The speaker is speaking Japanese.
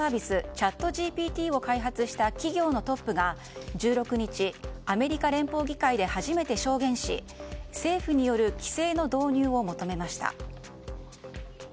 チャットＧＰＴを開発した企業のトップが、１６日アメリカ連邦議会で初めて証言し政府による規制の導入を求めました。